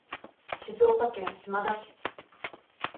静岡県島田市